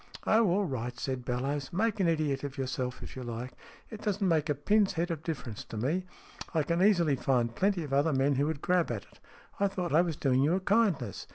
" Oh, all right," said Bellowes. " Make an idiot of yourself, if you like. It doesn't make a pin's head of difference to me. I can easily find plenty of other men who would grab at it. I thought I was doing you a kindness.